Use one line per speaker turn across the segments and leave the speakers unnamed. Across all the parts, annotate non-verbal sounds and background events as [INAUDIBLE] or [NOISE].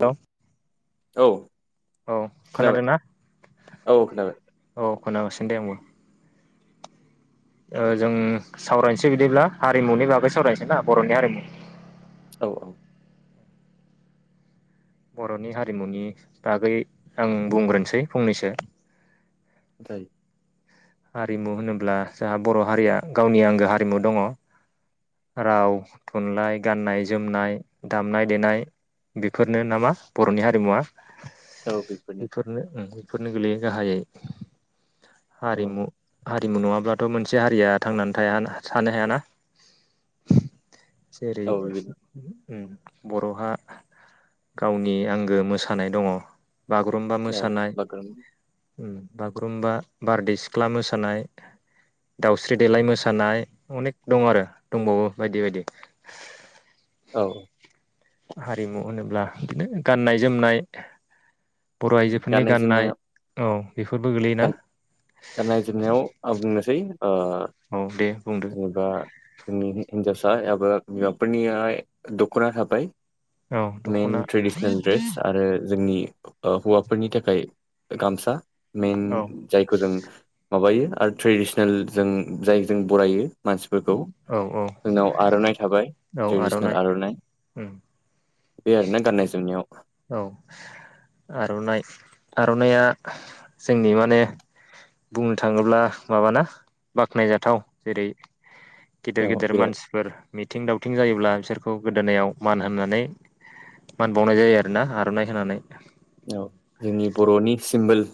[UNINTELLIGIBLE]
औ
औ
खोनाबाय
खोनादोंना
औ खोनाबाय
औ खोनागासिनो दे आंबो। ओ जों सावरायसै बिदिब्ला हारिमुनि बागै सावरायसै ना बर'नि हारिमु।
औ औ।
बर'नि हारिमुनि बागै आं बुंग्रोनसै फंनैसो।
[UNINTELLIGIBLE]
हारिमु होनोब्ला जोहा बर' हारिया गावनि आंगो हारिमु दङ राव थुनलाइ गाननाय जोमनाय दामनाय देनाय बेफोरनो नामा बर'नि हारिमुवा। बेफोरनो ओं। फोरनो गोलैयो गाहायै।
औ
हारिमु। हारिमु नङाब्लाथ' मोनसे हारिया थांनानै थाया थानो हायाना। जेरै
औ बिदिनो
उम बर'हा गावनि आंगो मोसानाय दङ। बागुरुम्बा
औ
मोसानाय।
बागुरुम
उम बागुरुम्बा। बारदै सिख्ला मोसानाय दाउस्रि देलाय मोसानाय अनेख दं आरो दंबावो बायदि बायदि।
औ।
हारिमु होनोब्ला दिनो गाननाय जोमनाय। बर'आइजोफोरनि गाननाय औ। बेफोरबो गोलैयोना।
दा नायजोबनायाव आं बुंनोसै ओ
औ दे बुंदो।
जेनेबा जोंनि हि-हिनजावसा एबा बिमाफोरनियाहाय दख'ना थाबाय
औ
मेन
दख'ना
ट्रेडिसनेल ड्रेस आरो जोंनि ओ हौवाफोरनि थाखाय गामसा मेन
औ
जायखौ जों माबायो आरो ट्रेडिसनेल जों जाय जों बरायो मानसिफोरखौ
औ औ
जोंनाव आर'नाइ थाबाय ट्रेडिसनेल आर'नाइ।
उम
बे आरोना गाननाय जोमनायाव।
औ आर'नाइ आर'नाइया जोंनि माने बुंनो थाङोब्ला माबाना बाख्नायजाथाव जेरै गिदिर
औ
गिदिर
बिराद
मानसिफोर मिथिं दावथिं जायोब्ला बिसोरखौ गोदोनायाव मान होननानै मान बावनाय जायो। ना आर'नाइ होनानै?
औ जोंनि बर'नि सिम्बोल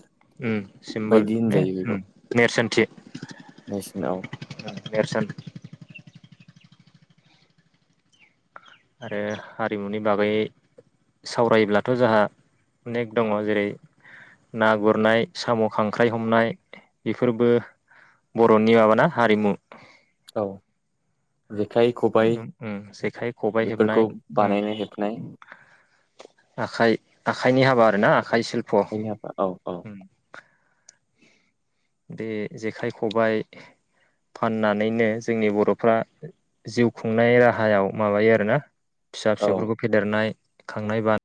उम सिम्बल
बायदि
ने
होनजायो बेखौ
उम नेेरसोन्थि।
नेसनाव
[INAUDIBLE] नेरसोन आरो हारिमुनि बागै सावरायोब्लाथ' जोंहा अनेख दङ जेरै ना गुरनाय साम' खांख्राइ हमनाय बेफोरबो बर'नि माबाना हारिमु
औ जेखाइ
ओ
खबाइ
ओम जेखाइ खबाइ हेबनाय
बेफोरखौ
उम
बानायनाय हेबनाय
आखाइ आखाइनि हाबा। ना
[UNINTELLIGIBLE] औ औ
बे जेखाइ खबाय फाननानैनो जोंनि बर'फ्रा जिउ खुंनाय राहायाव माबायो आरोना फिसा
औ
फिसौफोरखौ फेदेरनाय। खांनाय बा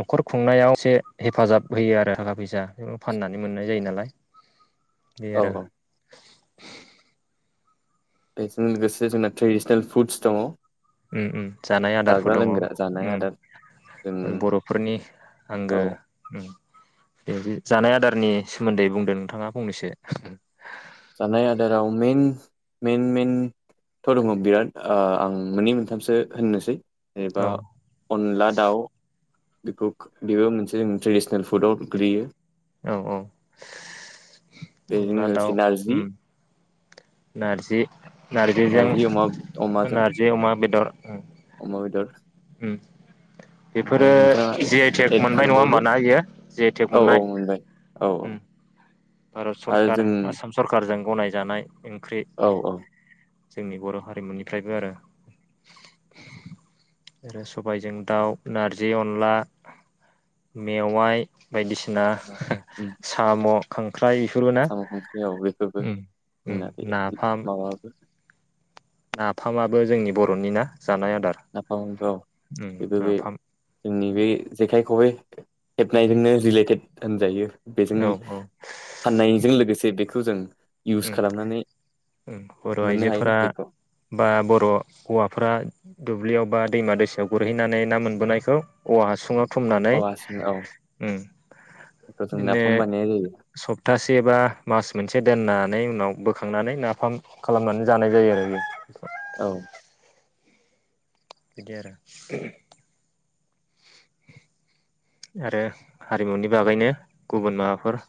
न'खर खुंनायाव एसे हेफाजाब होयो आरो थाखा फैसा बे फाननानै मोननाय जायो नालाय। बे
औ
आरो
औ बेजों लोगोसे जोंना ट्रेडिसनेल फुदस दङ।
उम उम जानाय आदारफोर
जाग्रा
दङ
लोंग्रा जानाय आदार जों
उम बर'फोरनि आंगो
औ
उम बे जानाय आदारनि सोमोन्दै बुंदो नोंथाङा फंनैसो
जानाय आदाराव मेन-मेन-मेनथ' दं बिराद ओ आं मोननै मोनथामसो होननोसै जेनेबा
औ
अनला दाव बेखौ बेबो मोनसे ट्रेडिसनेल फुदाव गोलैयो।
औ औ [INAUDIBLE] अनला
बेजोंनो
दाउ
नारजि
उम नारजि नारजिजों
नारजि अमा अमाजों
नारजि अमा बेदर। उम
अमा बेदर
उम बेफोरो
ओमफ्राय नोंथाङा
जि आइ टेक
एड
मोनबाय नङा होमबा
खालामबावदो
ना एयो जि आइ टेक
औ औ
मोननाय
मोनबाय औ औ
उम। भारत
आरो
सरखार
जों
आसाम सरखारजों गनायजानाय ओंख्रि
औ औ
जोंनि बर' हारिमुनिफ्रायबो आरो। आरो सबायजों दाउ, नारजि, अनला मेवाय बायदिसिना
उम
साम' खांख्रि
साम' खंख्रियाव औ बेफोरबो
उम
जोंना बे
नाफाम
माबाबो
नाफामाबो जोंनि बर'नि ना जानाय आदार
नाफामबो औ
उम
बेबो बे
नाफाम।
जोंनि बे जेखाय खबाय हेबनायजोंनो रिलेटेड होनजायो। बेजों
औ
फाननायजों लोगोसे बे थु जों इउस
उम
खालामनानै
उम बर'
मोननो हायोना
आइजोफोरा
बेखौ
बा बर' हौवाफोरा दुब्लियाव बा दैमा दैसायाव गुरहैनानै ना मोनबोनायखौ औवा हासुङाव थुमनानै
औ आसि औ
उम
बेखौ जों
बिदिनो
नाफाम बानायनाय जायो
सप्तासे बा मास मोनसे दोनना नाय उनाव बोखांनानै नाफाम खालामनानै जानाय जायो आरो बे [UNINTELLIGIBLE]
औ
बिदि आरो आरो हारिमुनि बागैनो गुबुन माबाफोर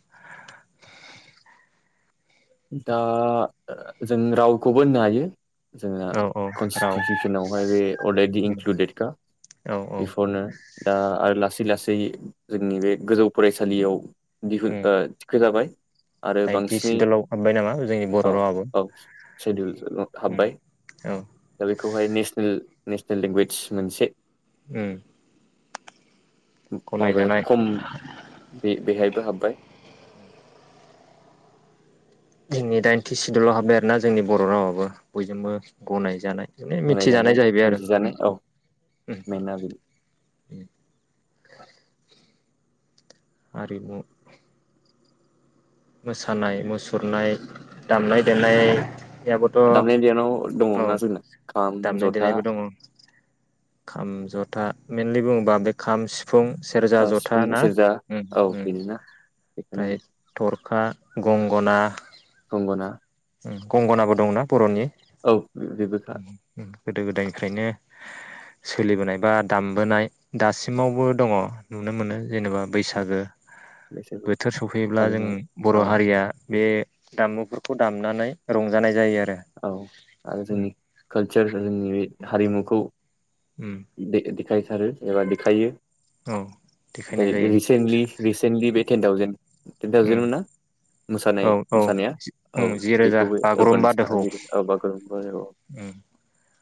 दा जों रावखौबो होननो हायो। जोंना
औ औ राव
कनस्टिटिउसनावहाय बे अलरेडि इनक्लुदेडखा
औ औ
बेफोरनो दा आरो लासै लासैयै जोंनि बे गोजौ फरायसालियाव दिहुन
उम
ओ थिखो जाबाय। आरो
दाइनथि
बांसिनै
सिदुलाव हाबबाय नामा जोंनि
औ
बर' रावाबो
औ सेडिउल
उम
हाब्बाय
औ
दा बेखौहाय नेसनेल नेसनेल लेंगुवेज मोनसे
उम
माबाया
गनायजानाय
खम बे-बेहायबो हाबबाय।
जोंनि दाइनथि सिदुलाव हाबबाय आरोना जोंनि बर रावाबो बयजोंबो गनाय जानाय माने मिथिजानाय
गनायजानाय
जाहैबाय आरो
मिथिजानाय औ मेना बेनो
उम
[INAUDIBLE]
हारिमु मोसानाय मुसुरनाय दामनाय देनाय
दामनाय देनाव दङ ना जोंना खाम
दामनाय
जथा
देनायबो दङ खाम जथा मेनलि बुङोबा बे खाम सि फुं सेरजा जथा
सिफुं
ना
सेरजा
उम
औ
उम
बेनोना बेखौनो
ओमफ्राय थर खा गंगना
गंगना
उम गंगनाबो दंना बर'नि
औ बेबोखा
गोदो गोदायनिफ्रायनो सोलिबोनाय बा दामबोनाय दासिमावबो दङ नुनो मोनो जेनेबा बैसागो
बैसागु
बोथोर सफैयोब्ला जों
फालिनाय
बर
औ
हारिया बे दाममुफोरखौ दामनानै रंजानाय जायो आरो
औ आरो
उम
जोंनि कालचार जोंनि बे हारिमुखौ
उम
[UNINTELLIGIBLE] देखाय थारो एबा देखायो
औ देखायनाय जायो
रिसेन्टलि रिसेन्टलि बे ten thousand ten
um
thousand मोनना मोसानाय
औ औ
मोसानाया औ
उम जि रोजा
बेखौबो अरगा
बागुरुम्बा दोहौ
बागुरुम
उम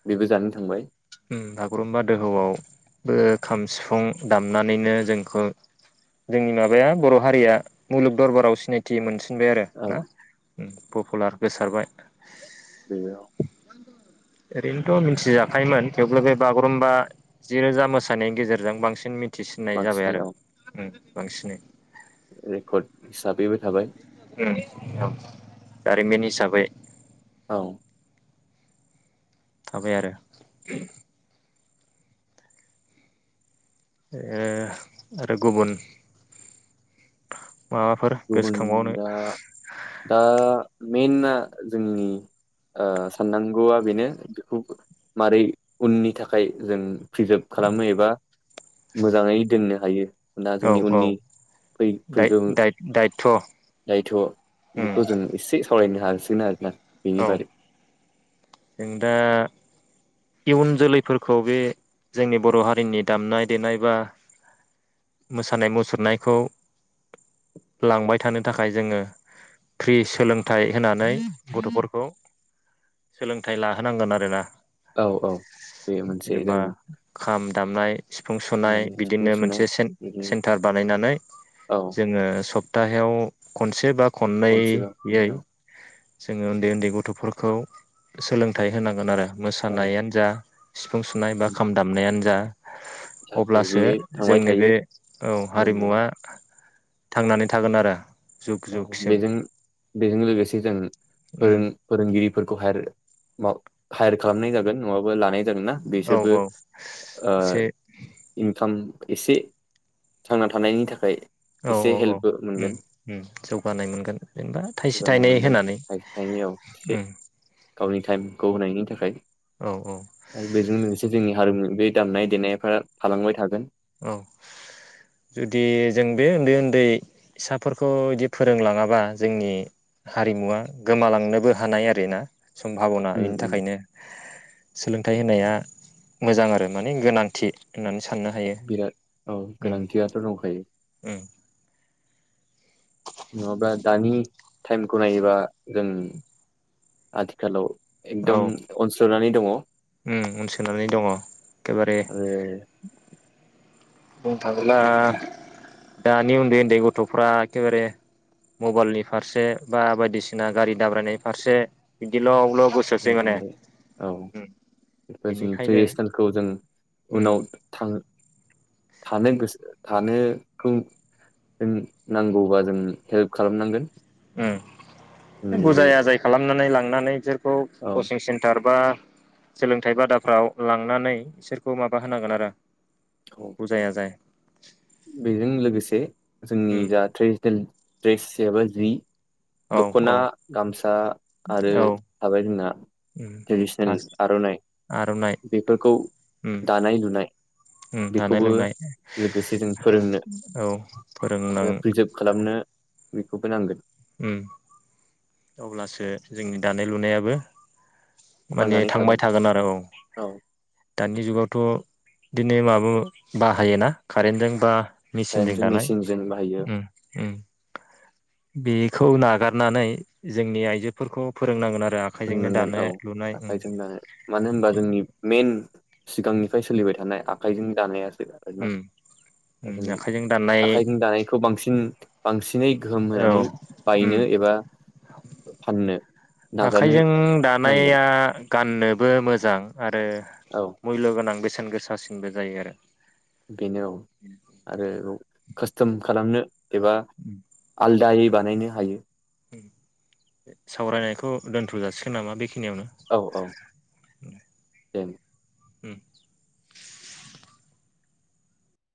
बेबो जानो थांबाय
उम बागुरुम्बा दोहौआवबो खाम सिफुं दामनानैनो जोंखौ जोंनि माबाया बर' हारिया मुलुग दरबाराव सिनायथि मोन सिनबाय आरो
औ
ना पपुलार गोसारबाय
बेेआव
ओरैनोथ' मिथिजाखायोमोन थेवब्लाबो बे बागुरुम्बा जिरोजा मोसानायनि गेजेरजों बांसिन मिथि थिसिननाय जाबाय
बांसिन
आरो
औ
बांसिनै
रेकर्ड हिसाबैबो थाबाय
उम औ जारिमिन हिसाबै
औ
थाबाय आरो ओ आरो गुबुन माबाफोर
गुबुन
गोसोखांबावनो
दा दा मेइनआ जोंनि साननांगौआ बेनो बेखौ मारै उननि थाखाय जों प्रिजार्भ खालामो एबा मोजाङै दोननो हायो। दा
औ
जोंनि
औ।
उननि फै फैगौ
थ'
दायथ' बेखौ जों एसे सावरायनो हालसिगोन आरोना।
औ
बिनि बारै।
जों दा इयुन जोलैफोरखौ बे जोंनि बर' हारिनि दामनाय देनाय बा मोसानाय मुसुरनायखौ लांबाय थानो थाखाय जोङो फ्रि सोलोंथाइ होनानै गथ'फोरखौ सोलोंथाइ लाहोनांगोन आरोना।
औ औ बे मोनसे जों
जेनेबा खाम दामनाय सिफुं सुनाय
खालामनानै
बिदिनो
सुफुंफिननाय
मोनसे
बिदिनो
सेन्टार बानायनानै
औ
जोङो सप्ताहायाव खनसे बा
खनसेबाव
खननैैयै
औ
जोङो उन्दै उन्दै गथ'फोरखौ सोलोंथाइ होनांगोन आरो। मोसानायानो जा सिफुं सुनाय बा खाम दामनायानो जा।
जाहाथे
अब्लासो
बेयो थांबाय
जोंनि
थायो
बे औ
सोलोंनानै
हारिमुवा थांनानै थागोन आरो। जुग
औ
जुगसिम
बेजों बेजों लोगोसे जों
उम
फोरों फोरोंगिरि [UNINTELLIGIBLE] [UNINTELLIGIBLE]
औ
बिसोरबो
औ
ओ
एसे
इनकाम एसे थांना थानायनि थाखाय
औ
एसे
औ औ
हेल्पबो
उम
मोनगोन।
उम जौगानाय मोनगोन जेनेबा थाइसे
[UNINTELLIGIBLE]
थाइनै
मोनगोन
होनानै
थाइ थाइनैयाव एसे
उम
गावनि टाइमखौ होनायनि थाखाय
औ औ
आरो बेजों लोगोसे जोंनिया [UNINTELLIGIBLE] बे दामनाय देनायफ्रा थालांबाय थागोन।
औ जुदि जों बे उन्दै उन्दै फिसाफोरखौ बिदि फोरोंलाङाबा जोंनि हारिमुवा गोमालांनोबो हानाय आरोना। सम्भाबना
उम
बेनि
उम
थाखायनो सोलोंथाइ होनाया मोजां आरो माने गोनांथि होननानै साननो हायो।
बिराद औ
उम
गोनांथियाथ' दंखायो।
उम
नङाबा दानि टाइमखौ नायोबा जों आथिखालाव एकदम [UNINTELLIGIBLE] दङ।
ओम उनसोनानै दङ एखेबारे।
आरो
बुंनो थाङोब्ला दानि उन्दै उन्दै गथ'फ्रा एखेबारे मबाइलनि फारसे बा बायदिसिना गारि दाब्रायनाय फारसे बिदि लब लब
[UNINTELLIGIBLE] थांबाय औ बेफोर जों
बिनिखायनो
ट्रेडिसनेलखौ जों उनाव थां थानो गोसो थानोखौ जों नांगौबा जों हेल्प खालामनांगोन।
ओम
जोंनि बे
बुजाय आजाय खालामनानै ला नानै जोर खौ
औ
कचिं सेन्टार बा सोलोंथाइ बादाफ्राव लांनानै बिसोरखौ माबा होनांगोन आरो।
औ
बुजाय आजाय।
बेजों लोगोसे जोंनि
उम
जा ट्रेजिटेल द्रेस एबा जि
औ औ
दख'ना, गामसा आरो
औ
थाबाय जोंना
उम
ट्रेडिसनेल
फार्स्ट
आर'नाइ
आर'नाइ
बेफोरखौ
उम
दानाय लुनाय
उम दानाय
बेखौबो
लुनाय
जों लोगोसे जों फोरोंनो
औ फोरोंनां
ओ प्रिजार्भ खालामनो बेखौबो नांगोन।
उम अब्लासो जोंनि दानाय लुनायाबो माने थांबाय थागोन आरो औ
औ
दानि जुगावथ' दिनै माबा बाहायोना कारेन्टजों बा मेचिनदो
दानिथ'
दानाय
मेसिनजों बाहायो
उम उम। बेखौ नागारनानै जोंनि आइजोफोरखौ फोरोंनांगोन आरो। आखाइजोंनो
सोंनांगोन
दानो
औ
लुनाय उम
आखायजों दानो मानो होनबा जोंनि मइेन सिगांनिफ्राय सोलिबाय था थानाय आखाइजों दानाया
उम
[UNINTELLIGIBLE] ओ
उम
जों
आखाइजों दाननाय
आखाइजों दानायखौ बांसिन बांसि दिनै गोहोम
औ
होनानै
उम
बायनो एबा फाननो ना
खाइजों दानाया गाननोबो मोजां। आरो
औ
मुल्य गोनां [UNINTELLIGIBLE] सेन गोसासिनबो जायो आरो।
बेनो औ आरो रं खोस्थोम खालामनो एबा आलदायै बानायनो हायो।
सावरायनायखौ दोन्थ' जासिगोन नामा बेखि
औ औ दे।
उम।